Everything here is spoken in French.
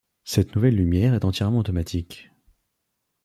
Cette nouvelle lumière est entièrement automatique.